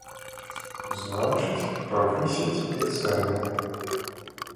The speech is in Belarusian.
Значыць, павысяць і цэны.